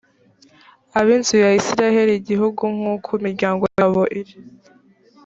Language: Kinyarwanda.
ab inzu ya isirayeli igihugu nk uko imiryango yabo iri